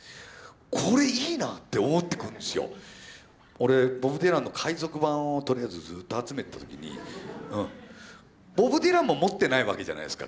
俺ボブ・ディランの海賊版をとりあえずずっと集めてた時にボブ・ディランも持ってないわけじゃないですか。